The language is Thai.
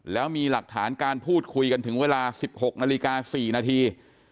แล้วมีหลักฐานการพูดคุยกันถึงเวลา๑๖นาฬิกา๔นาที